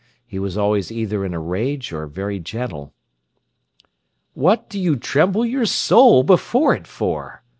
He was always either in a rage or very gentle. "What do you tremble your soul before it for?"